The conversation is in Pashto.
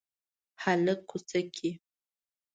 هلک کوڅه کې